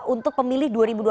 untuk pemilih dua ribu dua puluh